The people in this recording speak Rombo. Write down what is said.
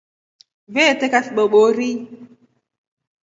Veeteko vibobori.